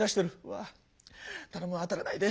わぁ頼む当たらないで。